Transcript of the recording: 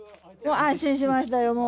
安心しましたよ、もう。